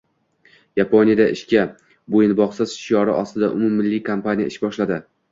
Yaponiyada “Ishga bo‘yinbog‘siz!” shiori ostida umummilliy kompaniya ish boshladi.